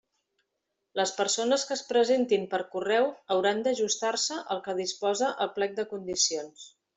Les persones que es presentin per correu hauran d'ajustar-se al que disposa el plec de condicions.